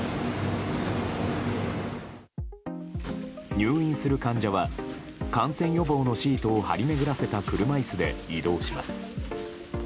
入院する患者は感染予防のシートを張り巡らせた車椅子で移動します。